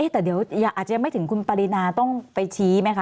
แต่เดี๋ยวอาจจะยังไม่ถึงคุณปรินาต้องไปชี้ไหมคะ